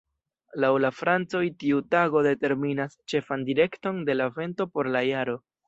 Laŭ la francoj tiu tago determinas ĉefan direkton de la vento por la jaro.